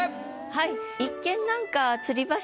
はい。